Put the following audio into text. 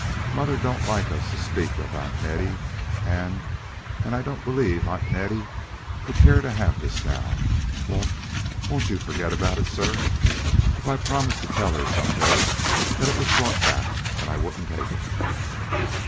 Mother don't like us to speak of Aunt Nettie; and and I don't believe Aunt Nettie would care to have this now. Won't won't you forget about it, sir, if I promise to tell her some day that it was brought back and I wouldn't take it?"